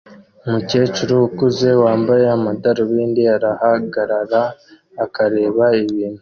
Umukecuru ukuze wambaye amadarubindi arahagarara akareba ikintu